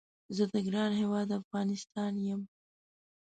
زه د ګران هیواد افغانستان یم